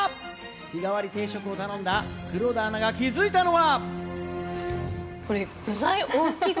日替わり定食を頼んだ黒田アナが気づいたのは。